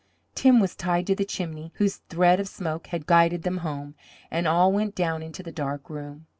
Tim was tied to the chimney, whose thread of smoke had guided them home, and all went down into the dark room.